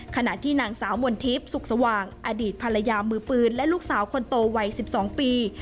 ขณะที่นางสาวมนทิพย์สุขสว่างอดีตภรรยามือปืนและลูกสาวคนโตวัย๑๒ปี